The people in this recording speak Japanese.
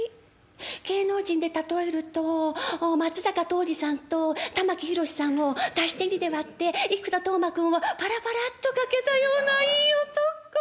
芸能人で例えると松坂桃李さんと玉木宏さんを足して２で割って生田斗真君をパラパラッと掛けたようないい男」。